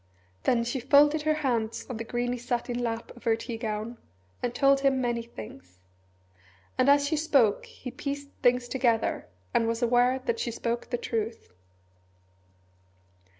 Then she folded her hands on the greeny satin lap of her tea gown, and told him many things. And as she spoke he pieced things together, and was aware that she spoke the truth.